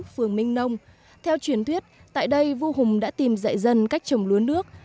phường minh nông theo truyền thuyết tại đây vua hùng đã tìm dạy dân cách trồng lúa nước